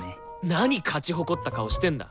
なに勝ち誇った顔してんだ。